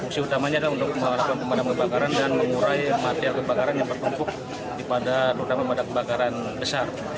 fungsi utamanya adalah untuk melakukan pemadam kebakaran dan mengurai material kebakaran yang bertumpuk pada terutama pada kebakaran besar